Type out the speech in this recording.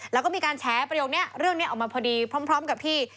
แล้วก็มีการแฉประโยคนี้เรื่องนี้ออกมาพอดีพร้อมกับที่